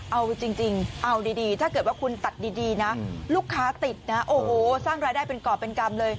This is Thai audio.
เอาจริงเอาดีถ้าเกิดว่าคุณตัดดีนะลูกค้าติดนะโอ้โหสร้างรายได้เป็นกรอบเป็นกรรมเลย